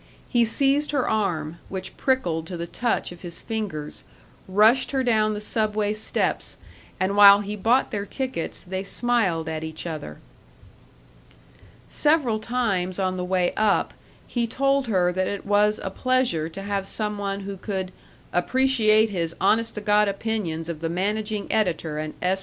He seized her arm, which prickled to the touch of his fingers, rushed her down the Subway steps, and while he bought their tickets they smiled at each other. Several times on the way up he told her that it was a pleasure to have some one who could "appreciate his honest t' God opinions of the managing editor and S.